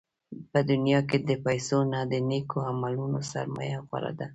په دنیا کې د پیسو نه، د نېکو عملونو سرمایه غوره ده.